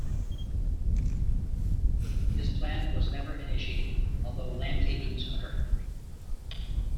This plan was never initiated, although land takings occurred.